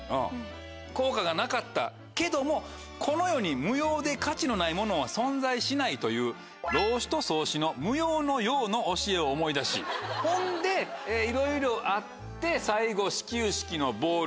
効果がなかったけどもこの世に無用で価値のないものは存在しないという老子と荘子の「無用の用」の教えを思い出しほんでいろいろあって最後始球式のボール